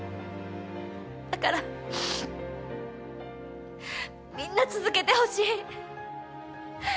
だから、みんな続けてほしい。